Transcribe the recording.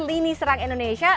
lini serang indonesia